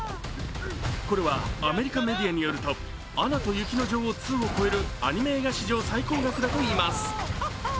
これはアメリカメディアによると「アナと雪の女王２」を超えるアニメ映画史上最高額だといいます。